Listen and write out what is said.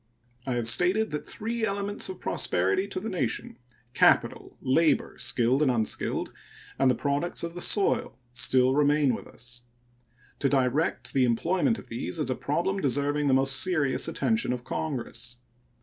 I have stated that three elements of prosperity to the nation capital, labor, skilled and unskilled, and products of the soil still remain with us. To direct the employment of these is a problem deserving the most serious attention of Congress.